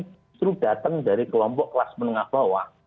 justru datang dari kelompok kelas menengah bawah